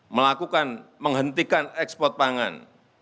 melakukan menghentikan ekspor pangan